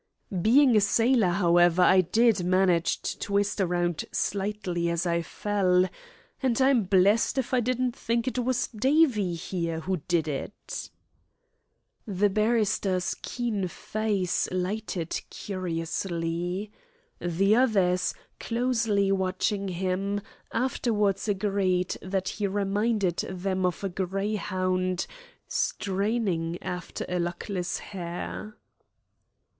"Being a sailor, however, I did manage to twist round slightly as I fell, and I'm blessed if I didn't think it was Davie here who did it." The barrister's keen face lighted curiously. The others, closely watching him, afterwards agreed that he reminded them of a greyhound straining after a luckless hare.